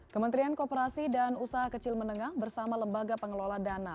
kementerian kooperasi dan usaha kecil menengah bersama lembaga pengelola dana